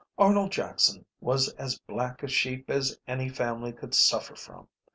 Arnold Jackson was as black a sheep as any family could suffer from.